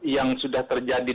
yang sudah terjadi